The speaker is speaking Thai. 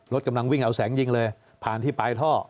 กำลังวิ่งเอาแสงยิงเลยผ่านที่ปลายท่อ